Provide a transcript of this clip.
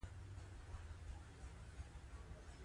خاوره د افغان کورنیو د دودونو مهم عنصر دی.